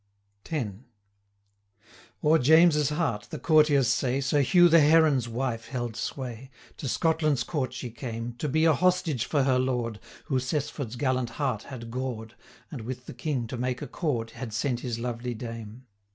X. O'er James's heart, the courtiers say, 260 Sir Hugh the Heron's wife held sway: To Scotland's Court she came, To be a hostage for her lord, Who Cessford's gallant heart had gored, And with the King to make accord, 265 Had sent his lovely dame.